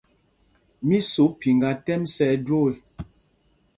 Mí sǒ phiŋgā tɛ́m sá ɛjwōō ê.